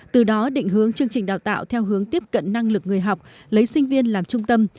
từ đó định hướng chương trình đào tạo theo hướng tiếp cận năng lực người học lấy sinh viên làm trung tâm